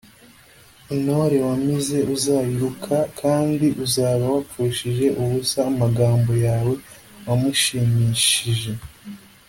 intore wamize uzayiruka, kandi uzaba wapfushije ubusa amagambo yawe wamushimishije